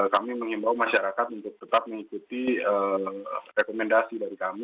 kami mengimbau masyarakat untuk tetap mengikuti rekomendasi dari kami